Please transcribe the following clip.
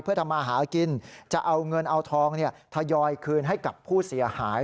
เพื่อทำมาหากินจะเอาเงินเอาทองทยอยคืนให้กับผู้เสียหาย